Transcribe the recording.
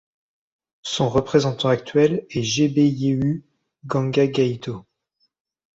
Son représentant actuel est Gebeyehu Ganga Gayto.